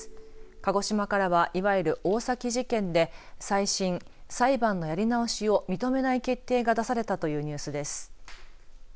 鹿児島からはいわゆる大崎事件で再審、裁判のやり直しを認めない決定が出されたというニュースです。